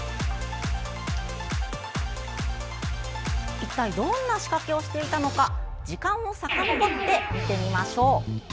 一体、どんな仕掛けをしていたのか時間をさかのぼって見てみましょう。